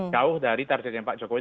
jauh dari targetnya pak jokowi tiga puluh